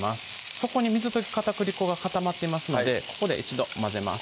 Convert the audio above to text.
底に水溶き片栗粉が固まっていますのでここで一度混ぜます